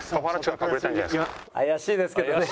怪しいですけどね。